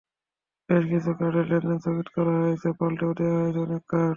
বেশ কিছু কার্ডের লেনদেন স্থগিত করা হয়েছে, পাল্টেও দেওয়া হয়েছে অনেক কার্ড।